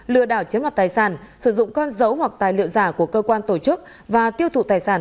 lừa đảo chiếm đoạt tài sản sử dụng con dấu hoặc tài liệu giả của cơ quan tổ chức và tiêu thụ tài sản